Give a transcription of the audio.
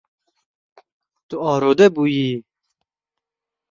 Tu arode bûyîyî.